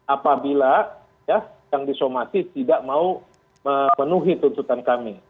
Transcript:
apabila yang disomasi tidak mau memenuhi tuntutan kami